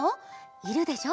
いるでしょ？